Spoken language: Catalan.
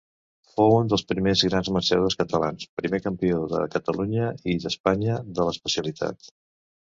Fou un dels primers grans marxadors catalans, primer campió de Catalunya i d'Espanya de l'especialitat.